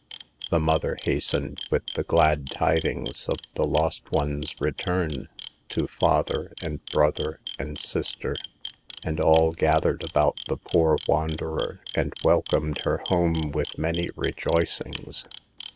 The mother hastened with the glad tidings of the lost one's return, to father and brother and sister, and all gathered about the poor wanderer and welcomed her home with many rejoicings.